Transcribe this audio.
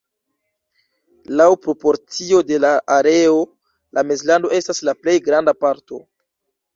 Laŭ proporcio de la areo la Mezlando estas la plej granda parto.